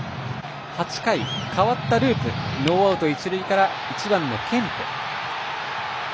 ８回、代わったループノーアウト、一塁から一塁のケンプ。